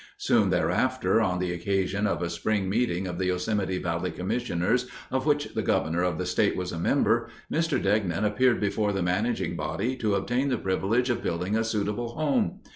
Soon thereafter, on the occasion of a spring meeting of the Yosemite Valley Commissioners, of which the governor of the state was a member, Mr. Degnan appeared before the managing body to obtain the privilege of building a suitable home.